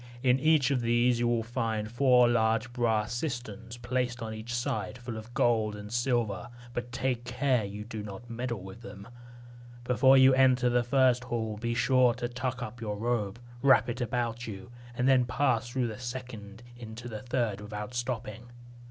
In each of these you will see four large brass cisterns placed on each side, full of gold and silver; but take care you do not meddle with them. Before you enter the first hall, be sure to tuck up your robe, wrap it about you, and then pass through the second into the third without stopping.